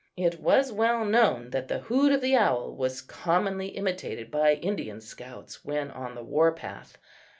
It was well known that the hoot of the owl was commonly imitated by Indian scouts when on the war path.